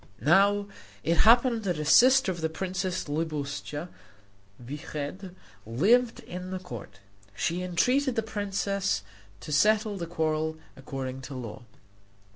Now it happened that a sister of the princess Libuscha Vyched lived at the court. She entreated the princess to settle the quarrel according to law.